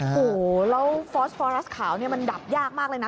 โอ้โหแล้วฟอสฟอรัสขาวเนี่ยมันดับยากมากเลยนะ